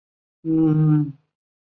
县莅位于东兴市镇。